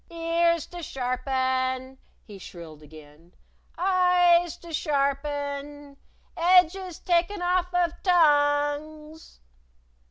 "Ears to sharpen!" he shrilled again. "Eyes to sharpen! Edges taken off of tongues!"